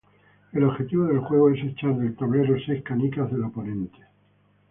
El objetivo del juego es echar del tablero seis canicas del oponente.